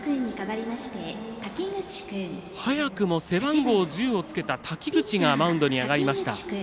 早くも背番号１０をつけた滝口がマウンドに上がりました。